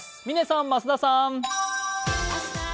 嶺さん、増田さん。